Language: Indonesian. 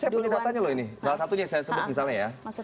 saya punya faktanya loh ini salah satunya yang saya sebut misalnya ya